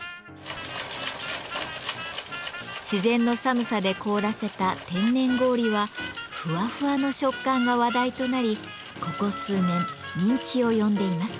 自然の寒さで凍らせた天然氷はふわふわの食感が話題となりここ数年人気を呼んでいます。